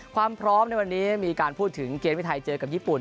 ความพร้อมในวันนี้มีการพูดถึงเกมที่ไทยเจอกับญี่ปุ่น